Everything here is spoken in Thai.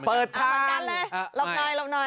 เปิดเอามากันเลยลบหน่อยลบหน่อย